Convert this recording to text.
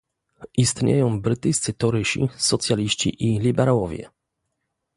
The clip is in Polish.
Istnieją brytyjscy torysi, socjaliści i liberałowie